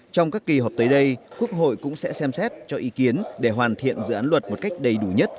trong các kỳ họp tới đây quốc hội cũng sẽ xem xét cho ý kiến để hoàn thiện dự án luật một cách đầy đủ nhất